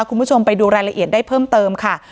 คุณผู้ชมไปดูรายละเอียดได้เพิ่มเติมค่ะ